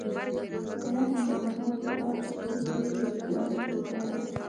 د رحم د عفونت لپاره د هوږې ګولۍ وکاروئ